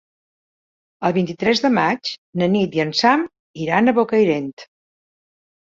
El vint-i-tres de maig na Nit i en Sam iran a Bocairent.